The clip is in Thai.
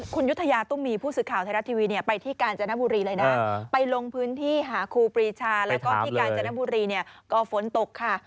คุณยุธยาตุ้มมีผู้สื่อข่าวไทยรัฐทีวีไปที่กาญจนบุรีเลยนะไปลงพื้นที่หาครูปรีชาแล้วก็ที่กาญจนบุรีเนี่ยก็ฝนตกค่ะ